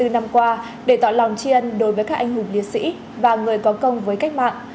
bảy mươi bốn năm qua để tỏ lòng tri ân đối với các anh hùng lý sĩ và người có công với cách mạng